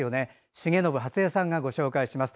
重信初江さんがご紹介します。